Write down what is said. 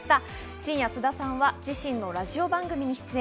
深夜、菅田さんは自身のラジオ番組に出演。